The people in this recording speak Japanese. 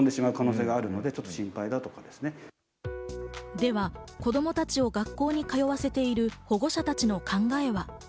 では子供たちを学校に通わせている保護者たちの考えは。